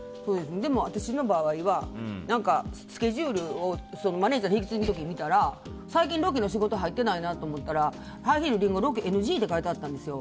私の場合はスケジュールをマネジャーの引き継ぎの時に見たら最近、ロケの仕事入ってないなと思ったらハイヒール・リンゴロケＮＧって書いてあったんですよ。